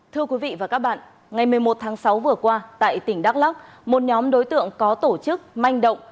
thưa quý vị và các bạn ngày một mươi một tháng sáu vừa qua tại tỉnh đắk lóc một nhóm đối tượng có tổ chức manh động